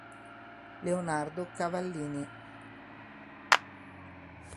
Leonardo Cavallini